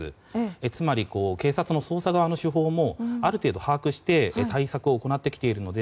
つまり、警察の捜査側の手法もある程度把握して対策を行ってきているので。